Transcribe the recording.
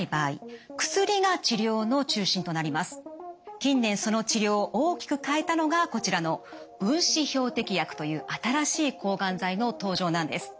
近年その治療を大きく変えたのがこちらの分子標的薬という新しい抗がん剤の登場なんです。